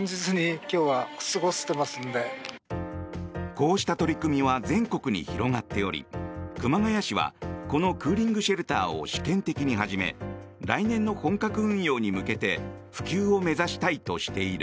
こうした取り組みは全国に広がっており熊谷市はこのクーリングシェルターを試験的に始め来年の本格運用に向けて普及を目指したいとしている。